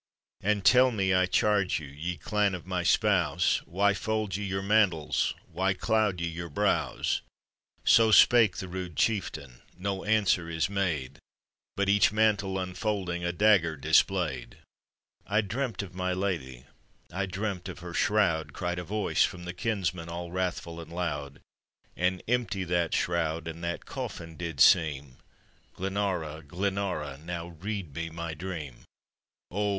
"And tell me, I charge you! ye clan of my spouse. Why fold ye your mantles, why cloud ye your brows?" So spake the rude chieftain:— no answer is made, But each mantle unfolding, a dagger display'd. " I dreamt of my lady, I dreamt of her ihroud," Cried a voiue from the kinsmen, all wrathful and loud; "And empty that shroud, and that coffin did teem: Glenara! Glenara! now read me my dream I" O!